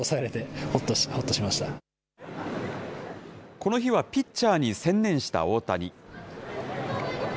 この日はピッチャーに専念した大谷。